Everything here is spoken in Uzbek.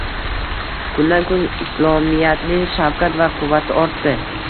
Kundan kun islomiyatning shavkat va quvvati ortdi